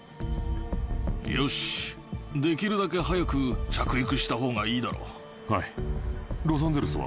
よしできるだけ早く着陸したほうがいいだろうはいロサンゼルスは？